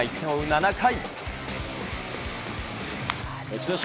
７回。